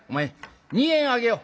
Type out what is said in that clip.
二円あげよう。